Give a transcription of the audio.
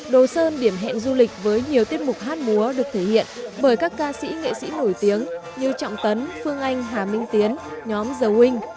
đồ sơn điểm hẹn du lịch với nhiều tiết mục hát múa được thể hiện bởi các ca sĩ nghệ sĩ nổi tiếng như trọng tấn phương anh hà minh tiến nhóm dầu huynh